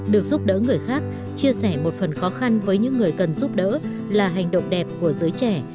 được giúp đỡ người khác chia sẻ một phần khó khăn với những người cần giúp đỡ là hành động đẹp của giới trẻ